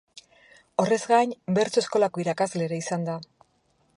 Horrez gain, bertso-eskolako irakasle ere izan da.